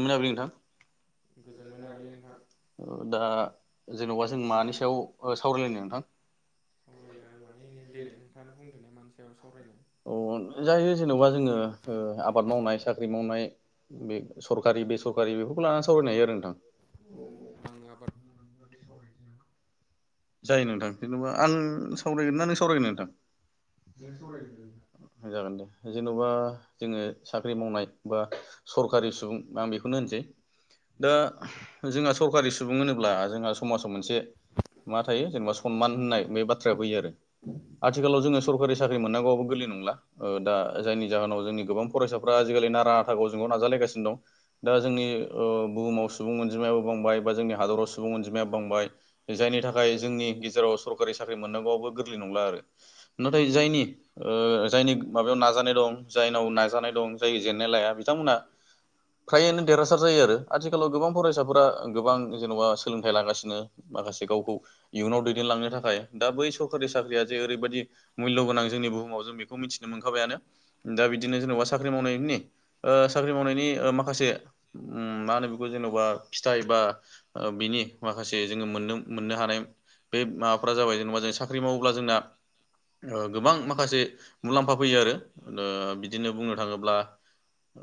मोनाबिलि नोंथां दा जेन'बा जों मानि सायाव सावरायलायनो नोंथां सावरायनाय माने दे नों नोंथाङानो बुंदोलाय मानि सायाव सावरायनो अ जायो जेनबा जोङो ओ आबाद मावनाय साख्रि मावनाय बे सरकारि बेसरकारि बेफोरखौ लानानै सावरायनो हायो आरो नोंथां उम आबाद जायो नोंथां जेन'बा आं सावरायगोन ना नों सावरायगोन नोंथां जागोन दे जेन'बा जोङो साख्रि मावनाय बा सरखारि सुबुं आं बेखौनो होनसै दा जोंहा सरकारि सुबुं होनोब्ला जोंहा समाजाव मोनसे मा थायो जेनेबा सनमान होननाय बे बाथ्राया फैयो आरो आथिखालाव जोङो सरकारि साख्रि मोननांगौवाबो गोरलै नंला ओ दा जायनि जाहोनाव जोंनि गोबां फरायसाफ्रा आजिखालि नारा ना शथा गावजों गाव नाजालायगासिनो दा जोंनि ओ बुहुमाव सुबुं अनजिमायाबो बांबाय बा जोंनि हादराव सुबुं अनजिमाया बांबाय जायनि थाखाय जोंनि गेजेराव सरकारि साख्रि मोननांगौआबो गोरलै नंला आरो नाथाय जायनि ओ जायनि माबायाव नाजानाय दं जायनाव नाजानाय दं जाय जेननाय लाया बिथांमोनहा फ्रायानो देरहासार जायो आरो आथिखालाव गोबां फरायसाफोरा गोबां जेन'बा सोलोंथाइ लागासिनो माखासे गावखौ इयुनाव दैदेनलांनो थाखाय दा बै सरकारि साख्रिया जे ओरैबायदि मुल्य' गोनां जोंनि बुहुमाव जों बेखौ मिथिनो मोनखाबायानो दा बिदिनो जेनेबा साख्रि मावनायनि ओ साख्रि मावनायनि माखासे मा होनो बेखौ जेन'बा फिथाइ बा बिनि माखासे जोङो मोननो मोननो हानाय बे माबाफोरा जाबाय जेनबा जों साख्रि मावोब्ला जोंना ओ गोबां माखासे मुलाम्फा फैयो आरो ओ बिदिनो बुंनो थाङोब्ला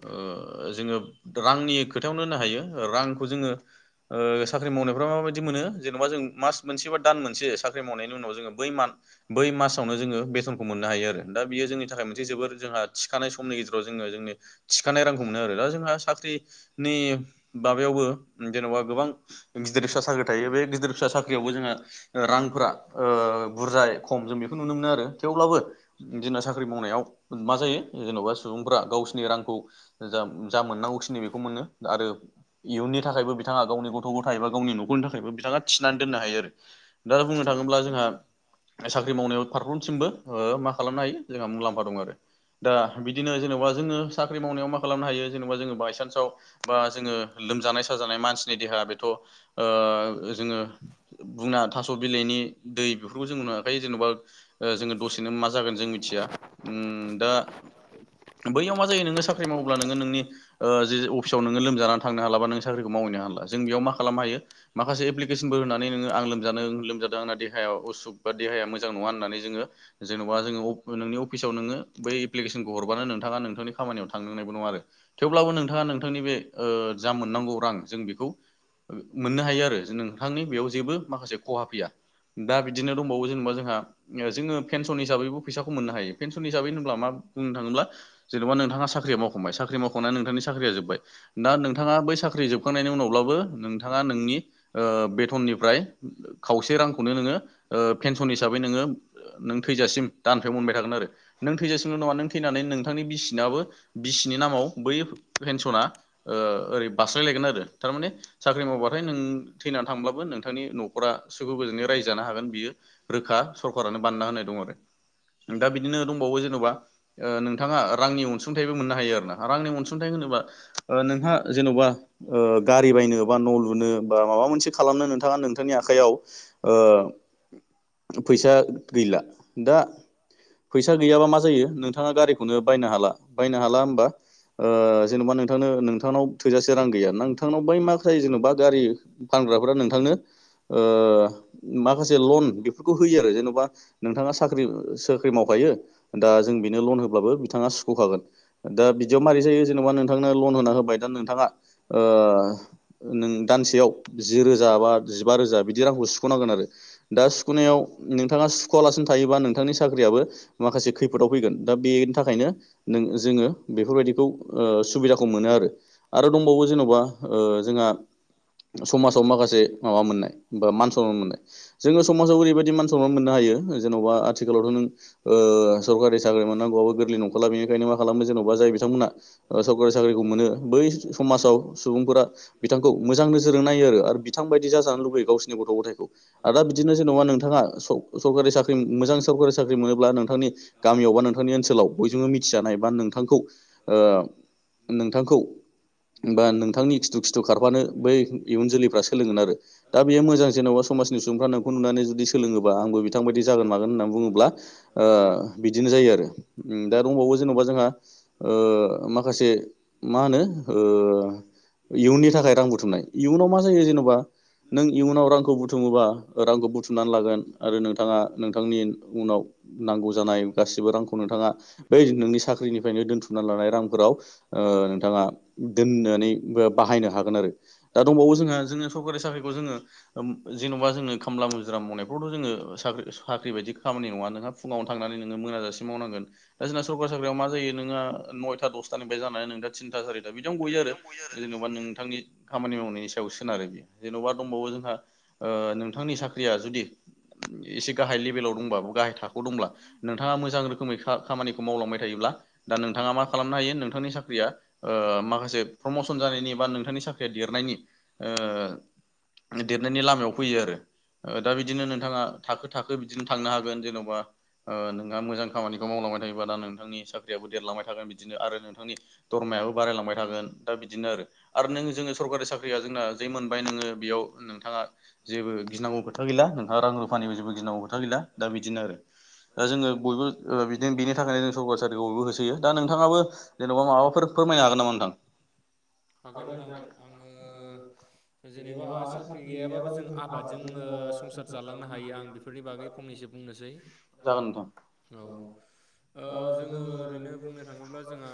ओ ओ जोङो रांनि खोथायावनो होननो हायो रांखौ जोङो ओ साख्रि मावनायफ्रा माबायदि मोनो जेनेबा मोना दान मोनसे साखनायनिनाव ज मावनो ज बेथनखौ मोननो हायो आरो दा बियो जोंनि थाखाय मोनसे जोबोर जोंहा थिखानाय समनि गेजेराव जोङो जोंनि थिखानाय रांखौ मोनो आरो दा जोंहा साख्रिनि माबायावबो जेन'बा गोबां गिदिर फिसा साख्रि थायो बे गिदिर फिसा साख्रियावबो जोंहाो रांफोरा बुरजाय खम जों बेखौ नुनो मोनो आरो थेवब्लाबो ना साख्रि मावनायाव मा जायो जेन'बा सुबुंफ्रा गावसिोरनि रांखौ जा जा मोननांगौखिनि बेखौ मोनो आरो इयुननि थाखायबो बिथाङा गावनि गथ' गथायबा गावनि न'खौनि थाखाय बिथाङा थिनानै दोननो हायो आरो दा बुंनो थाङोब्ला जोंहा साख्रि मावनायाव फारफ्रोमसिमबो मा खालामनो हायो जोंहा मुलाम्फा दं आरो दा बिदिनो जेन'बा जोङो साख्रि मावनायाव माखासे जेनबा जो बायसान्स बा जोङो लोमजानाय सानाय मानसिनि देहाया बेथ' जोङो बुंना थास' बिलाइनि दै बेफोरखौ जों नु हाखै जेने'बा जोङो दसेनो मा जागोन जों मिथि दा बैयाव मा जायो नो साखा साख्रि मावोबब्ला नोङो नोंनि जे अफिसाव नोङो लोमजानानै थांनो हालाबाों साख्रिखौ मावहैनो हाला जों बेयाव मा खालामनोायो माखासे एप्लिकेसनफोर होनानै नोङो आं लोमजादों लोमजादों आंना देाया असुुब बा देहाया मोजां नङा होननानै जोङो जेन'बा जोङो नोंनि अफिसाव नोङो बै एप्लिकेसनखौ हरबानो नोंथाङा नोंथांनि खामानियाव थांननायबो नङ आरो थेवब्लाबो नोंथाङा नोंथांनि बे जा मोननांगौ रां जों बेखौ मोननो हायो आरो नोंथांनि बेयाव जेबो माखासे खहा फैया दा बिदिनो दंबावो जेनेबा जोंहा जोङो पेनसन हिसाबैबो फैसाखौ मोननो हायो पेनसन हिसाबै होनोबब्ला मा बुंनो थाङोब्ला जेन'बा नोंथाङा खमबाय साख्रि मावख'नानै नोंथांनि साख्रिया जोब्बाय दा नोंथाङा बै साख्रि जोबखांनायनि उनावब्लाबो नोंथाङा नोंनि बेथननिफ्राय खावसे रांखौनो नोङो पेनसन हिसाबै नोङो थैजासिम दानिफ्राय मोनबाय थागोन आरो नों थैजासिमल' नङा नों थैनानै नोंथांनि बिसिनाबो बिसिनि नामाव बै पेनसना ओरै बास्लायलायगोन आरो थारमाने साख्रि मावबाथाय ओमफ्राय नों थैनानै थांब्लाबो नोंथांनि न'खरा सखौ गोजोनै रायजोजानो हागोन बियो रोखा सरकानो बान्ना होनाय दङ दा बिदिनो दंबावो जेन'बा नोंथाङा रांनि अनसुंथायखौ बो नो बा माबा मोनसे खालामनो नोंथाङा नोंथांनि आखायाव फैसा गैला दा फैसा गैयाबा मा जायो नोंथाङा गारिखौनो बायनो हाला बायनो हाला हबा जेन'बा नोंथांनो नोंथांनाव थोजासे रां गैया नोंथांनाव बै माख जेन'बा गारि फानग्राफोरा नोंथांनो माखासे लन बे होयो आरो जेनेबा नोंथाङा साख्रि साख्रि मावखायो दा जों बेनो लन होब्लाबो बिथाङा सोखागोन दा बिदियाव माबारै जायो जेनेबा नोंथांनो लन होना होबाय दा नोंथाङा नों दानसेयाव जि रोजा बा जिबा रोजा बिदि रांखौ सुख'नांगोन आरो दा नोंथाङा सुखुलासिनो थायोबा नोंथांनि साख्रियाबो माखासे खैफोदाव फैगोन दा बेनि थाखायनो नों जोङो बेफोरबायदिखौ सुबिदाखौ मोनो आरो आरो दंबावो जेन'बा जोंहा औ समाजाव माखासे माबा मोननाय बा मान सनमान मोननाय जोङो समाजाव ओरैबायदि मान सनमान मोननो हायो जेन'बा आथिखालावथ' नों सरकारि साख्रि मोननांगौबो नि नंखाला बिनिखायनो मा खालामनो जेनबा जाय बिथांमोना ओ सरकारि साख्रिखौ मोनो बै समाव सुबुं फोरा बिथांखौ मोजां नोजोरजों नायो आरो। आरो बिथां बायदि जाजानो लुबैयो गावसिनि गथ' गथायखौ। आरो दा बिदिनो जेन'बा नोंथाङा स-सरकारि साख्रि मोजां सरकारि साख्रि मोनोब्ला नोंथांनि गामियावबा नोंथां नि ओनसोलाव बयजोंबो मिथिजानाय बा नोंथांखौ ओ नोंथांखौ बा नोंथांनि खिथु खिथु खारफानो बै इयुन जोलैफ्रा सोलोंगोन आरो दा बेयो मोजां जेन'बा समाजनि सुबुंफ्रानो खौ नुनानै जुदि सोलोङोबा आंबो बिथांबायदि जागोन मागोन होननानै बुङोब्ला ओ बिदिनो जायो आरो। उम दा दंबावो जेनबा जोंहा ओ माखासे मा होनो ओ इयुननि थाखाय रां बुथुमनाय इयुनाव मा जायो जेन'बा नों इयुनाव रांखौ बुथुमोबा ओ रांखौ बुथुमनानै लागोन आरो नोंथाङा नोंथांनि उनाव नांगौ जानाय गासिबो रांखौ नोंथां थाङा बै नोंनि साख्रिनिफ्रायनो दोन्थुमनानै लानाय रांफोराव ओ नोंथाङा दोननानै बो बाहायनो होन आरो दा दंबावो जों जोंनो सरखारि साख्रिखौ जोंङो उम जेनबा जोंनो खामला मुजिर्रा मावनायफ्रावथ जोङो साख्रि साख्रि बायदि खामानि नङा नोंहा फुङावनो थांनानै नोङो मोनाजासे मावनांगोन। दा जोंना सरकार साख्रियाव मा जायो नोङो नयथा दसथानिफ्राय जानानै नोंदा थिनथा सारिथा बिदियावनो गयो आरो। जेन'बा नोंथांनि खामानि मावनायनि सायाव सोनारो बियो जेनबा दंबावो जोंहा ओ नों [unintelligible] जुदि एसे गाहाय लेभेलाव दंबा गाहाय थाखोआव दंब्ला नोंथाङा मोजां रोखोमै खा-खामानिखौ मावलांबाय थायो ब्ला दा नोंथाङा मा खालामनो हायो नोंथांनि साख्रिया ओ माखासे प्रमसन जानायनि एबा नोंथांनि सा देरनायनि ओ देरनायनि लामायाव फैयो आरो‌। ओ दा बिदिनो नोंथाङा थाखो थाखो बिदिनो थांनो हागोन जेनबा ओ नोंहा मोजां खामानिखौ मावलां बाय थायोब्ला दा नोंथांनि साख्रियाबो देरलांबाय थागोन बिदिनो आरो नोंथांनि दरमायाबो बारायलांबाय थागोन दा बिदिनो आरो। आरो नों जोङो सरकारि साख्रिया जोंना जै मोनबाय नोङो बेयाव नोंथाङा जेबो खोथा गैला नोंहा रां रुफानिबो जेबो गिनांगौ खोथा गैला दा बिदिनो आरो। दा जोङो बयबो ओ बिदिनो बिनि थाखायनो जों सरकार साख्रिखौ बयबो होसोयो दा नोंथाङाबो जेनबा माबाफोर फोरमायनो हागोन नामा नोंथां? हागोन नोंथां। आङो जेनेबा साख्रि गैयाबाबो जों आबादजों ओ संसार जालांनो हायो आं बेफोरनि बागै फंनैसो बुंनो जै जागोन नोंथां औ। ओ जोङो ओरैनो बुंनो थाङोब्ला जोंहा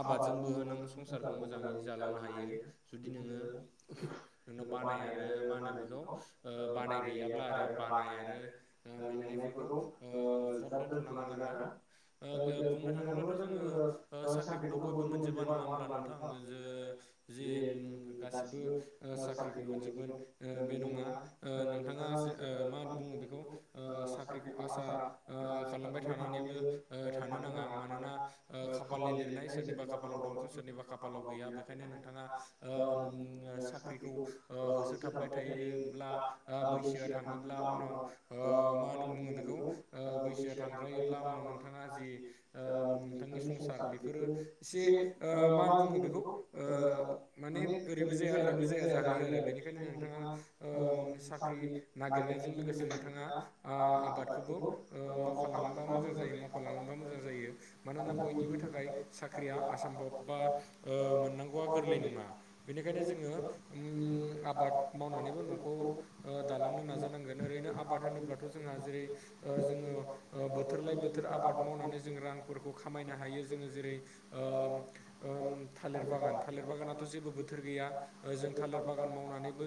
आबादजोंबो नों संसार खौ मोजैनो जालांनो हायो जुदि नोङो नोंनाव बानाय आरो मा होनो बेखौ ओ बानाय गैयाब्ला आरो बानाय आरो मेंनाय फोरखौ ओ ज्राब दोनथ' नांगोन आरो। ओ [unintelligible] बुंनो थाङोब्लाथ जोङो ओ साख्रिखौथ बयबो मोनजोबा नङा होमब्ला नों थां जो जे उम गासिबो ओ साख्रिखौ मोनजोबगोन ओ बे नङा ओ नोंथाङा जे ओ मा बुङो बेखौ ओ साख्रिखौ आसा ओ खालामबाय थानानैबो ओ थानो नाङा मानोना ओ खाफालनि लिरनाय सोरनिबा खाफालाव दं सोरनिबा खाालाव गैया। बेखायनो नोंथाङा ओम ओ साख्रिखौ ओ होसोथाबबाय थायोब्ला ओ बैसोआ था थाङोब्ला उनाव ओ मा होन्नो बुङो बेखौ ओ बैसोआ थांद्रायोब्ला उनाव नोंथाङा जि ओ नोंथांनि संसार बेफोरो एसे ओ मा बुङो बेखौ ओ माने ओरैबो जाया ओरैबो जाया जाहैयो आरो बेनिखायनो नोंथाङा ओम साख्रि नागिरना यजों लोगोसे नोंथाङा आ आबादखौबो ओ मावफलाङोबा मोजां जायो। मावफालाङोबा मोजां जाय यो मानोना बयनिबो थाखाय साख्रिया आसामभब बा ओ मोननांगौ आ गोरलै नङा बेनिखायनो जोङो आबाद मावनानैबो न'खौ ओ दा दालांनो नाजा‌नांगोन ओरैनो आबाद होनोब्लाथ जोंहा जेरै ओ जोङो ओ बोथोराय लाय बोथोर आबाद मावनानै जों रांफोरखौ खामायनो हायो जोङो जेरै ओम ओम थालिर बागान था थ' जेबो बोथोर गैया ओ जों थालिर बागान मावनानैबो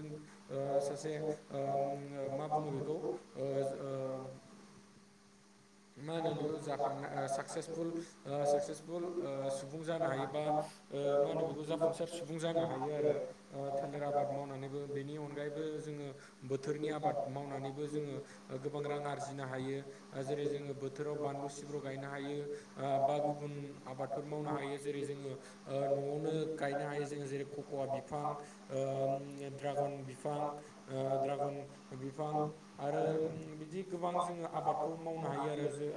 ओ सासे ओम ओ मा बुङो बेखौ मा होनो बेखौ जाखांना साकसेसफुल साकसेसफुल सुबुं जानो हायोबा मा होनो बेखौ जाफुंसार सुबुं जानो हायो आरो थालिर आबाद मावनानैबो बेनि अनगायैबो जोङो बोथोरनि आबाद मावनानैबो जोङो गोबां रां आरजिनो हायो जेरै जों बोथोराव बानलु सिब्र गायनो हायो बा गुबुन आबादफोर मावनो हायो जेरै जोङो न'आवनो गायनो हायो जोङो जेरै ककवा बिफां ड्रागन बिफां ड्रागन बिफां आरो बिदि गोबां जोङो आबादखौ माव आरो जो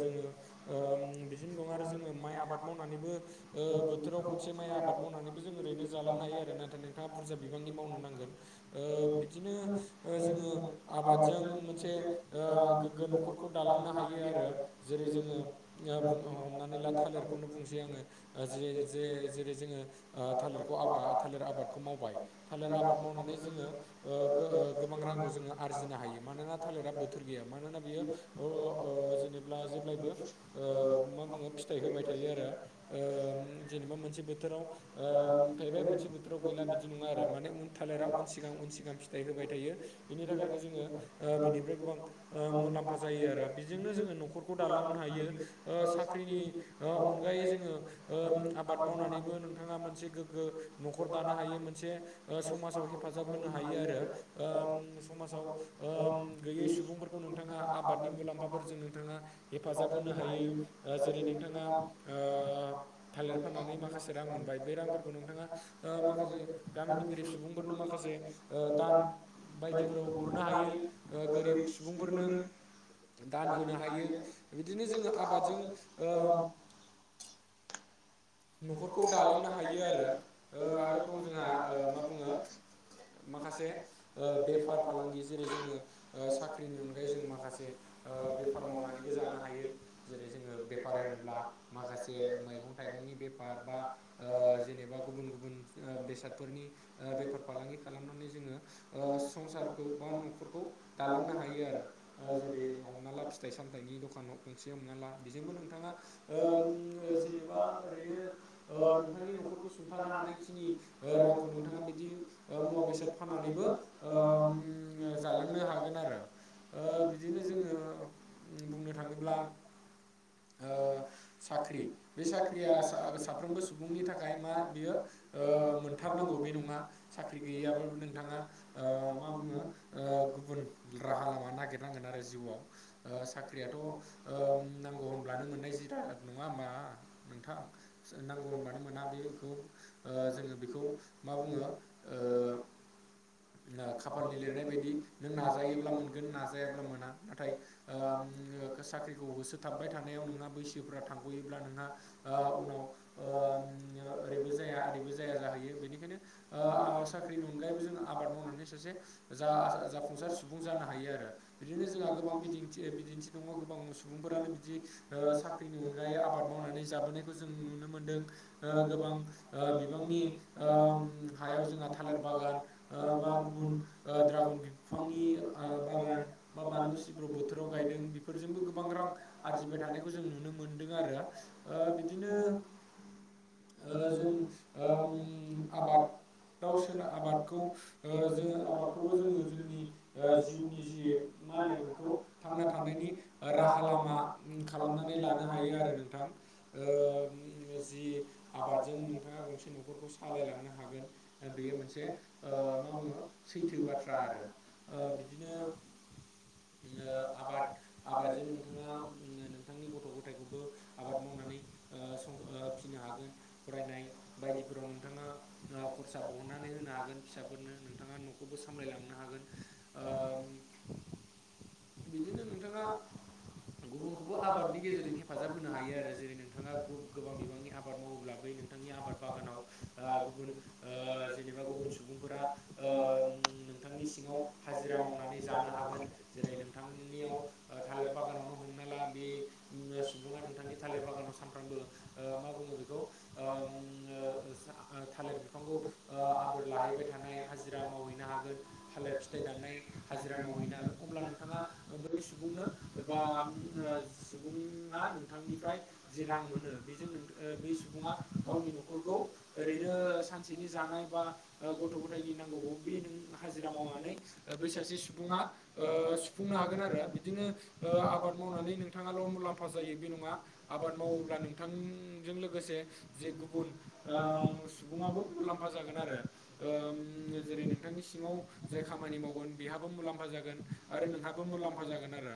जोङो बिदिनो दं आरो जोङो माइ आबाद मावनानैबो बोथोराव खनसे माइ आबाद मावनानैबो जों ओरैनो जालांनो हायो आरो नाथाय नोंथाङा बुरजा बिबांनि मावनो नांगोन बिदिनो बिदिनो आबादजों जोङो मोनसे गोगो न'खर नो हायो आरो जेरै जोङो हनानै ला थालिरखौनो बुंनोसै आंङो जे जे जेरै जोङो थालिरखौ आबाद थालिर आबादखौ मावबाय थालिर आबाद मावनानै जो गोबां रांखौ जोङो आरजिनो हायो मानोना थालिरा बोथोर गैया मानोना बियो अ अ अ जेनेबा जेब्लायबो मा बुङो फिथाइ होबाय थायो आरो जेबा मोनसे बोथोरावबाय मोनसे बोथोराव गैला बिदि नङा आरो माने उ थालिरा उन सिगां सिगां फिथाइ होबाय थायो बिनि थाखायनो जोङो बिनिफ्राय गोबां मुलामफा ज जायो आरो बेजोंनो जोङो न'खरखौ दालांनो हायो साख्रिनि अनगायै जोङो आबाद मावनानैबो नोंथाङा मोनसे गोग्गो न'खर दानो हायो मोनसे समाजाव ह हेफाजाब होनो हायो आरो समाजाव गैयै सुबुंफोरखौ नोंथाङा आबादनि मुलाम्फाफोरजों नोंथाङा हेफाजाब होनो हायो जेरै नोंथाङा थालिर फाननानै माखासे रां मोनबाय बे रांफोरखौ नोंथाङा माखासे गामिनि गोरिब सुबुंफोरनो म माखासे दान बायदिफोराव हरनो हायो गोरिब सुबुंफोरनो दान होनो हायो बिदिनो जोङो आबादजों [inaudible] न'खरखौ दालांनो हायो आरो आरो दं जोंहा मा बुङो माखासे बेफार फालांगि जेरै जोङो साख्रिनि अनगायै जों माखासे बेफार मावनानैबो जानो हायो जेरै जोङो बेफार होनोब्ला माखासे मैगं थाइगंनि बे बा जेनेबा गुबुन गुबुन बेसादफोरनि बेफार फालांगि खालामनानै जेनेबा संसारखौ एबा नखरखौ दालांनो हायो आरो बा फिथाइ सामथाइनि दखानाव गंसे नंङा ला बेजोंबो नोंथाङा जेनेबा ओरैनो नोंथांनि न'खरखौ सुंथानो हानायखिनि रांखौ नोंथाङा बिदि मुवा बेसाद फाननानैबो जालांनो हागोन आरो बिदिनो जोङो बुंनो थाङोब्ला साख्रि बे साख्रि साफ्रोमबो सुबुंनि थाखाय मा बियो मोनथारनांगौ बे नङा साख्रि गैयाब नोंथाङा मा बुङो गुबुन राहा लामा नागिरनांगोन आरो जिउआव साख्रियाथ' नांगौ होनब्लानो मोननाय जिराद नङा होनबा नोंथां नांगौ होनबानो मोना बेखौ जोङो बेखौ मा बुङो खाफालनि लिरनाय बायदि नों नाजायोब्ला मोनगोन नाजायाब्ला मोना नाथाय साख्रिखौ होसोथाबबाय थानायाव नोंहा बैसोफ्रा थांगयोब्ला नोंहा उनाव अ ओरैबो जाया ओरैबो जाया जाहैयो बेनिखायनो साख्रिनि अनगायैबो जों आबाद मावनानै सासे जा जाफुंसार सुबुं जानो हायो आरो बिदिनो जोंहा गोबां बिदिन्थि बिदिन्थि दङ गोबां मुस सुबुंफोरानो बिदि साख्रिनि अनगायै आबाद मावनानै जाबोनायखौ जों नुनो मोनो गोबां बिबांनि हायाव जोंहा थालिर बागान बा गुबुन ड्रागन बिफांनि बागान बा बानलु सिब्र' बोथोराव गायदों बेफोरजोंबो गोबां रां आरजिबाय थानायखौ जों नुनो मोनदों आरो बिदिनो जों आबाद दाउ सोन आबादखौ जोङो आबादखौबो जोङो जोंनि जिउनि जि मा होनो बेखौ थांना थानायनि राहा लामा खालामनानै लानो हायो आरो नोंथां ओ जि आबादजों नोंथाङा गंसे न'खरखौ सालायलांनो हागोन बेयो मोनसे मा बुङो सैथो बाथ्रा आरो बिदिनो आबाद आबादजों नोंथाङा नोंथांनि गथ' गथायखौबो आबाद मावनानै फिसिनो हागोन फरायनाय बायदिफोराव नोंथाङा खरसा बहननानै होनो हागोन। फिसाफोरनो नोंथाङा न'खौबो सामलायलांनो हागोन। बिदिनो नोंथाङा गुबुनखौबो आबादनि गेजेरजों हेफाजाब होनो हायो आरो जेरै नों। गोबां बिबांनि आबाद मावोब्ला बै नोंथांनि आबाद बागानाव गुबुन जेनेबा। गुबुन सुबुंफोरा नोंथांनि सिङाव हाजिरा मावनानै जानो हागोन जेरै नों। नोंथांनियाव थालिर बागानावनो हमना ला बे सुबुंङा नोंथांनि थालिर बागानाव स। मा बुङो थालिर बिफांखौ। लाहैबाय थानाय हाजिरा मावहैनो हागोन थालिर फिथाइ दाननाय हाजिरा मावहैनो हागोन अब्ला नों। बे सुबुंनो एबा सुबुङा नोंथांनिफ्राय। जि रां मोनो बेजों बे सुबुङा गावनि न'खरखौ ओरैनो सानसेनि जानाय। गथ' गथायनि नांगौखौ बे नों हाजिरा मावनानै बै सासे सुबुङा। फुंनो हागोन आरो बिदिनो आबाद मावनानै नोंथाङाल' मुलाम्फा जायो बे नङा। आबाद मावोब्ला नोंथांजों लोगोसे जे गुबुन सुबुङाबो मुलाम्फा। जागोन आरो जेरै नोंथांनि सिङाव जाय खामानि मावगोन बेहाबो मुलाम्फा जागोन। आरो नोंहाबो मुलाम्फा जागोन आरो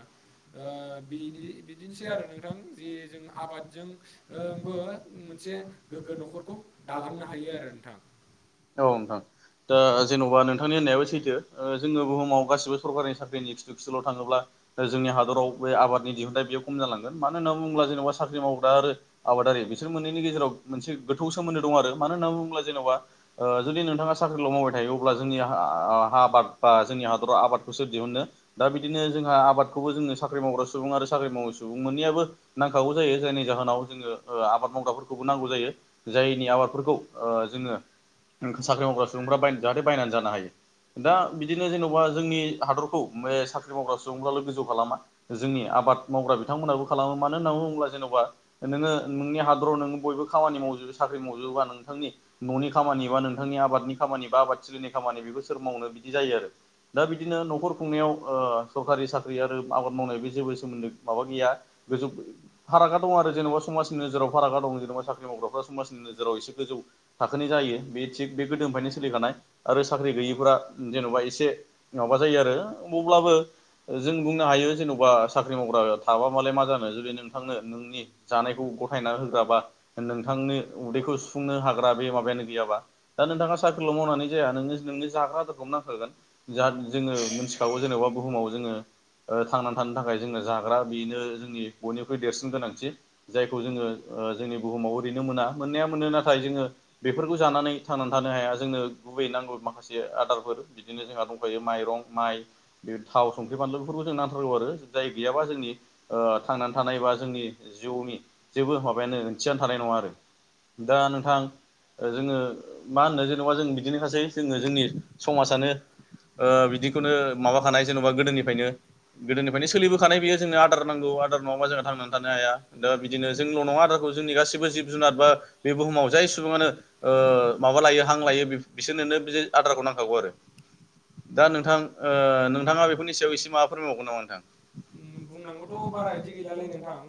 बिनि बिदिनोसै आरो नोंथां जि। ओ रोङो मोनसे गोजो न'खरखौ दालांनो हायो आरो नोंथां। औ नोथां। ओ दा जेन'बा नोंथांनि होननायाबो सैथो जोङो बुहुमाव गासिबो सरकारि साख्रिनि। जुखिल' थाङोब्ला जोंनि हादराव बे आबादनि दिहुनथाइ बेयाव खम जालांगोन मानो होनना बुङोब्ला जेनेबा साख्रि मावग्रा। आरो आबादारि बिसोर मोनैनि गेजेराव मोनसे गोथौ सोमोन्दो दं आरो मानो होननानै बुोब्ला जेन'बा ओ। जुदि नोंथाङा साख्रिल' मावबाय थायो अब्ला जोंनि आबाद बा जोंनि हादराव आबादखौ सोर दिहुनो। दा बिदिनो जोंहा आबादखौबो जोङो साख्रि मावग्रा सुबुं आरो साख्रि मावै सुबुं मोननैआबो नांखागौ जायो जायनि जा। जाहोनाव जोङो ओ आबाद मावग्राफोरखौबो नांगौ जायो जायनि आबादफोरखौ जोङो। ओं साख्रि मावग्रा सुबुंफोरा बायद जाहाथे बायनानै जानो हायो दा बिदिनो जेन'बा जोंनि हादरखौ। बे साख्रि मावग्रा सुबुंफ्राल' गोजौ खालामा जोंनि आबाद मावग्रा बिथांमोनहाबो खालामो मानो होननानै बुङोब्ला जेनबा। नोंङो नोंनि हादराव नोंङो बयबो खामानि मावजोबोबा साख्रि मावजोबोबा नोंथांनि न'नि खामानि बा। नोंथांनि आब खामानि बा आबादथिलिनि खामानि सोर मावनो बिदि जायो आरो दा बिदिनो न'खर। खुंनायाव ओ सरकारि साख्रि आरो आबाद मावनाय बे जेबो सोमोन्दो माबा गैया। फारागा दंङो आरो जेनेबा समाजनि नोजोराव फारागा दं जेनेबा साख्रि मावग्राफ्रा समाजनि नोजोराव एसे गोजौ थाखोनि जायो। बे थिग बे गोदोनिफ्रायनो सोलिखानाय आरो साख्रि गैयिफोरा जेन'बा एसे माबा जायो आरो। अब्लाबो। जों बुंनो हायो जेन'बा साख्रि मावग्रा थाबा मालाय मा जानो जुदि नोंथांनो नोंनि जानायखौ। गथायना होग्रा बा नोंथांनि उदैखौ सुफुंनो हाग्रा बे माबायानो गैयाबा दा नोंथाङा सार। साख्रिल' मावना जाया नोंनो नोंनो ज्राग्रा आदारखौबो नांखागोन। दाउ जेनेबा बुहुमाव जोङो। थांनानै थानो थाखाय जोङो जाग्रा बेनो जोंनि बयनिख्रुइ देरसिन गोनांथि जायखौ जोङो। जोंनि बुहुमाव ओरैनो मोना मोननाया मोनो नाथाय जोङो बेफोरखौ जानानै थांनानै थानो हाया जोंनो। गुबै नांगौ माखासे आदारफोर बिदिनो जोंहा दंखायो माइरं माइ। बे थाव संख्रि फानलु बेफोरखौ जों नांथारगौ आरो जाय गैयाबा जोंनि थांनानै थानाय बा जोंनि। जिउनि जेबो माबायानो ओंथियानो थानाय नङा आरो। दा नोंथां जोङो मा ओनो जेनेबा जों बिदिनो खासै जोङो जोंनि। समाजआनो ओ बिदिखौनो माबाखानाय जेन'बा गोदोनिफ्रायनो गोदोनि। माने सोलिबोखानाय बेयो जोंनो आदार नांगौ आदार नङा जोंहा थांनानै। थानो हाया दा बिदिनो जोंल' नङा आदारखौ जोंनि गासिबो जिब जुनार बा। बे बुहुमाव जाय सुबुङानो। माबा लायो हां लायो बिसोरनो बे आदारखौ नांखागौ आरो दा नोंथां। नोंथाङा बेफोरनि सायाव इसे माबा फोरमायबावगोन नामा नोंथां। बुंनांगौथ' बारा इदि गैलालै नोंथां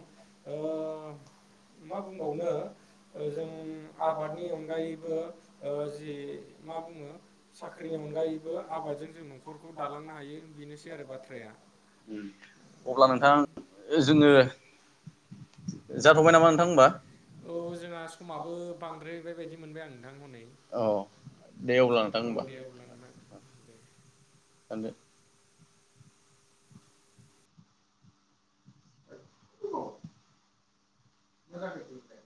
ओ। मा बुंबावनो। ओ जों आबादनि अनगायैबो जि मा बुङो साख्रिनि। नि अनगायैबो आबादजों जों न'खरखौ दालांनो हायो बेनोसै आरो बाथ्राया अब्ला नोंथां जोङो औ जोंहा समाबो बांद्रायबायबायायदि मोनबाय आं नोंथां हनै औ दे अब्ला नोंथां होमबा दानदो [unintelligible]